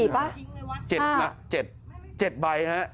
๔ปะ๗ปะ๗ปีนะ๗ปีนะ